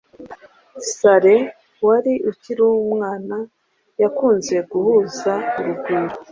Saleh wari ukiri umwana yakunze guhuza urugwiro